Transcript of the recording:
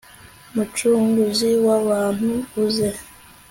mucunguzi w'abantu uze